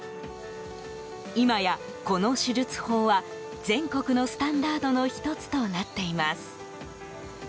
今や、この手術法は全国のスタンダードの１つとなっています。